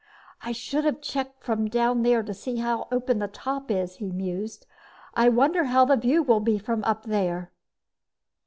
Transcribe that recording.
"I should have checked from down there to see how open the top is," he mused. "I wonder how the view will be from up there?"